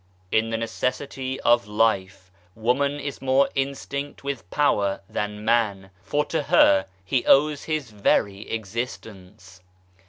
In the necessity of Life, Woman is more instinct with power than Man, for to her he owes his very existence.